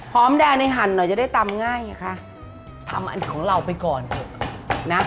หอมแดงได้หันหน่อยจะได้ตำง่ายไงคะทำอันของเราไปก่อนสินะ